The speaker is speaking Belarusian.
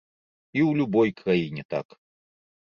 І ў любой краіне так.